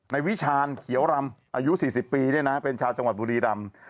วิชาณเขียวรำอายุ๔๐ปีเป็นชาวจังหวัดบุรีรำ